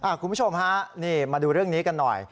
คุณผู้ชมฮะนี่มาดูเรื่องนี้กันหน่อย